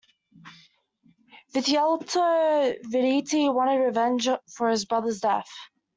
Vitellozzo Vitelli wanted revenge for his brother's death.